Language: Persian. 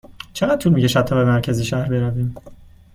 چقدر طول می کشد تا به مرکز شهر برویم؟